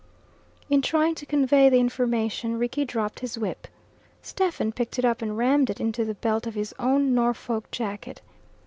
In trying to convey the information, Rickie dropped his whip. Stephen picked it up and rammed it into the belt of his own Norfolk jacket.